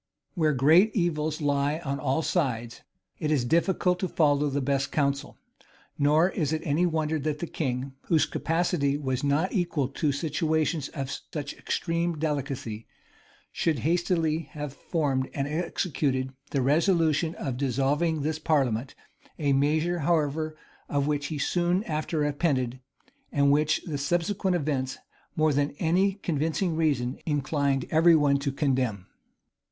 Where great evils lie on all sides, it is difficult to follow the best counsel; nor is it any wonder that the king, whose capacity was not equal to situations of such extreme delicacy, should hastily have formed and executed the resolution of dissolving this parliament: a measure, however, of which he soon after repented, and which the subsequent events, more than any convincing reason, inclined every one to condemn.